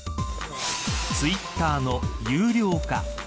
ツイッターの有料化。